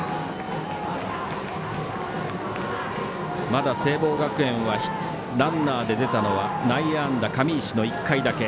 まだ聖望学園はランナーで出たのは内野安打、上石の１回だけ。